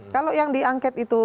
kalau yang diangket itu